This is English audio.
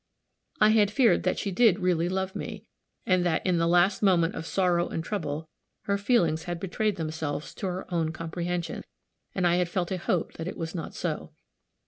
I had feared that she did really love me, and that, in the last moment of sorrow and trouble, her feelings had betrayed themselves to her own comprehension and I had felt a hope that it was not so.